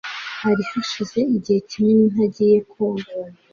Hari hashize igihe kinini ntagiye koga.